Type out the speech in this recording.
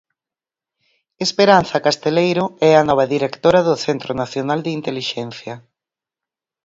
Esperanza Casteleiro é a nova directora do Centro Nacional de Intelixencia.